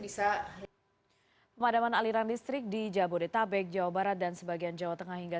bisa pemadaman aliran listrik di jabodetabek jawa barat dan sebagian jawa tengah hingga